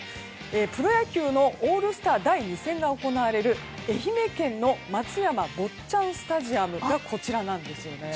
プロ野球のオールスター第２戦が行われる愛媛県の松山坊っちゃんスタジアムがこちらなんですよね。